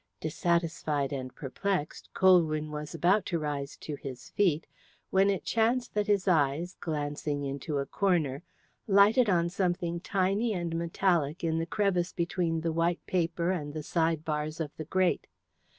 Dissatisfied and perplexed, Colwyn was about to rise to his feet when it chanced that his eyes, glancing into a corner, lighted on something tiny and metallic in the crevice between the white paper and the side bars of the grate.